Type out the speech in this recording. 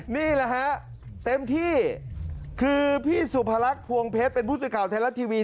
นี่แหละฮะเต็มที่คือพี่สุพรรคพวงเพชรเป็นผู้สื่อข่าวไทยรัฐทีวี